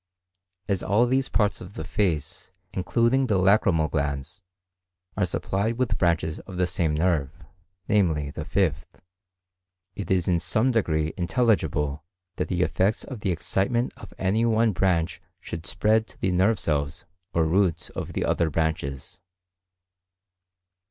As all these parts of the face, including the lacrymal glands, are supplied with branches of the same nerve, namely, the fifth, it is in some degree intelligible that the effects of the excitement of any one branch should spread to the nerve cells or roots of the other branches.